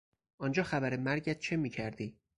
آنجا خبر مرگت چه میکردی؟